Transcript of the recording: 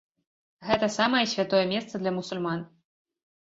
Гэта самае святое месца для мусульман.